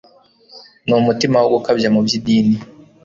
n'umutima wo gukabya mu by'idini,